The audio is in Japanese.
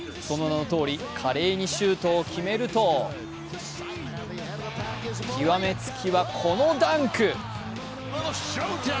その名のとおり華麗にシュートを決めると極めつきはこのダンク。